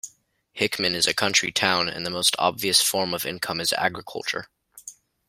Hickman is a country town, and the most obvious form of income is agriculture.